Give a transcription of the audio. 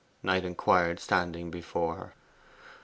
Knight inquired, standing before her.